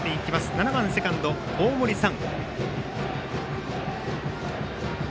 ７番、セカンド、大森燦。